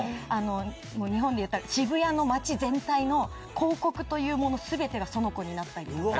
日本でいったら渋谷の街全体の広告というもの全てがその子になったりとか。